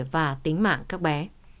và tính mạng các bé